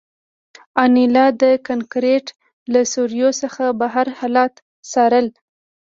انیلا د کانکریټ له سوریو څخه بهر حالات څارل